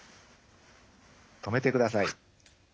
止めてください。